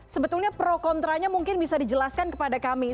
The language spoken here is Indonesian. sebetulnya pro kontranya mungkin bisa dijelaskan kepada kami